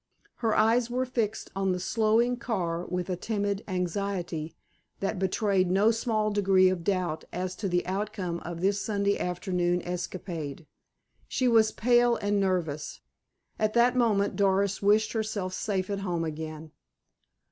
Her eyes were fixed on the slowing car with a timid anxiety that betrayed no small degree of doubt as to the outcome of this Sunday afternoon escapade. She was pale and nervous. At that moment Doris wished herself safe at home again.